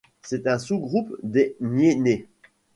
C'est un sous-groupe des Myènè.